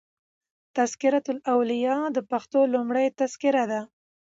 "تذکرة الاولیا" دپښتو لومړۍ تذکره ده.